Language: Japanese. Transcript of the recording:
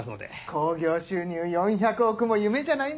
興行収入４００億も夢じゃないな。